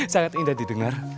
sangat indah didengar